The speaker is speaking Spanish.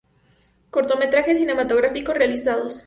Cortometrajes cinematográficos realizados